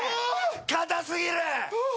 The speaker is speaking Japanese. かたすぎる！